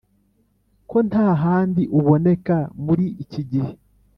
ko nta handi uboneka muri iki gihe !